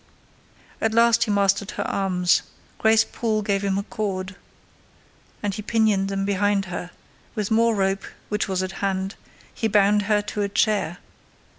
At last he mastered her arms; Grace Poole gave him a cord, and he pinioned them behind her: with more rope, which was at hand, he bound her to a chair.